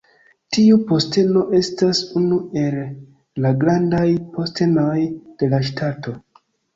Tiu posteno estas unu el la Grandaj Postenoj de la Ŝtato.